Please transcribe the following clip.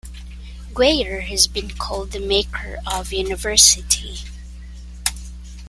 Gwyer has been called the "maker of university".